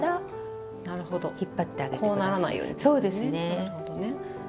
なるほどね。